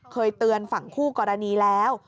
เคยเตือนฝั่งคู่กรณีแล้ว